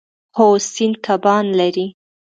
هو، سیند کبان لري